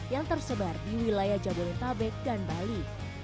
yang tersebar di wilayah jabodetabek dan bali